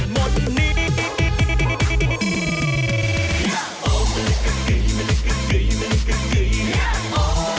มันต้องมาให้ผม